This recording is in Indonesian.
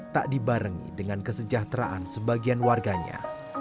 tak dibarengi dengan kesejahteraan sebagian warganya